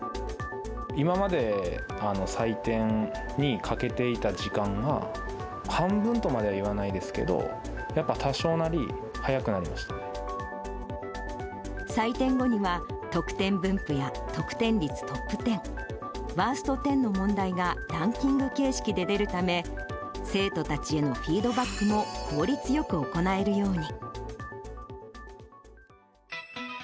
今まで採点にかけていた時間が、半分とまでは言わないですけど、やっぱ、多少なり早くなりま採点後には、得点分布や得点率トップ１０、ワースト１０の問題がランキング形式で出るため、生徒たちへのフィードバックも効率よく行えるように。